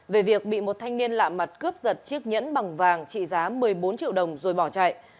về việc bị một thanh niên lạ mặt cướp giật chiếc nhẫn bằng vàng trị giá một mươi bốn triệu đồng rồi bỏ chạy